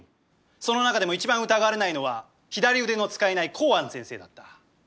その中でも一番疑われないのは左腕の使えない幸庵先生だった。